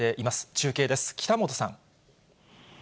中継です、北本さん。